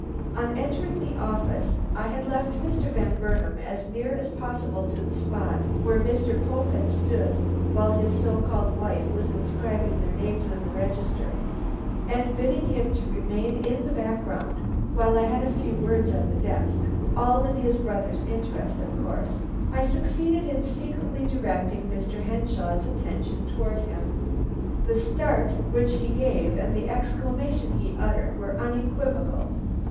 On entering the office I had left Mr. Van Burnam as near as possible to the spot where Mr. Pope had stood while his so called wife was inscribing their names in the register, and bidding him to remain in the background while I had a few words at the desk, all in his brother's interests of course, I succeeded in secretly directing Mr. Henshaw's attention towards him. The start which he gave and the exclamation he uttered were unequivocal.